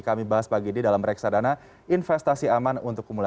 kami bahas pagi ini dalam reksadana investasi aman untuk pemula